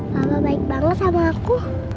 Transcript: kalau baik banget sama aku